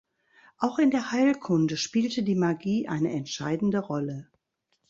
Auch in der Heilkunde spielte die Magie eine entscheidende Rolle.